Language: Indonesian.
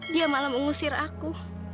dia malah mengusir aku